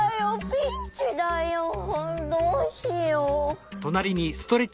ピンチだよどうしよう。